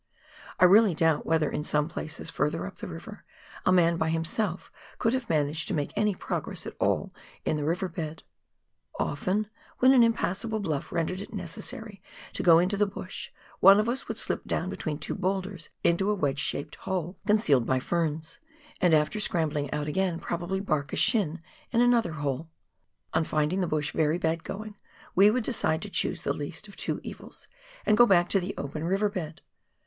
I really doubt whether in some places further up the river, a man by himself could have managed to make any progress at all in the river bed. Often, when an impassable bluff rendered it necessary to go into the bush, one of us would slip down between two boulders into a wedge shaped hole, concealed by the ferns, and after scrambling out again, probably " bark " a shin in another hole. On finding the bush very bad going we would decide to choose the least of two evils and go back to the open river bed.